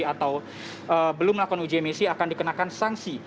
atau belum melakukan uji emisi akan dikenakan sanksi